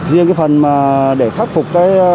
riêng cái phần để khắc phục